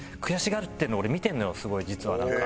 すごい実はなんか。